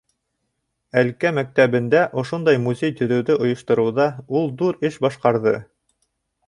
Әлкә мәктәбендә ошондай музей төҙөүҙе ойоштороуҙа ул ҙур эш башҡарҙы.